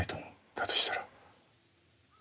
だとしたら。